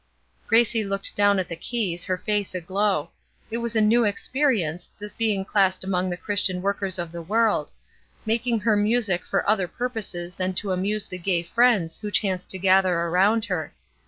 Gracie looked down at the keys, her face aglow. It was a new experience, this being classed among the Christian workers of the world; making her music for other purposes than to amuse the gay friends who chanced to gather around her.